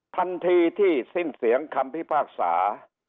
ทันทีที่สิ้นเสียงคำพิพากษา